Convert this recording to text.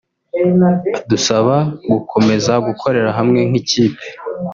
adusaba gukomeza gukorera hamwe nk’ikipe